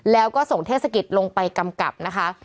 แล้วก็ส่งเทศกิจลงไปกำกับนะคะ